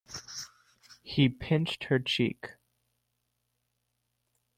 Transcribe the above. He pinched her cheek.